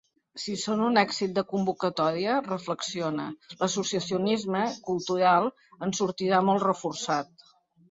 Si són un èxit de convocatòria, reflexiona, l’associacionisme cultural en sortirà molt reforçat.